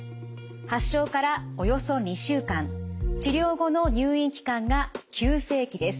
発症からおよそ２週間治療後の入院期間が急性期です。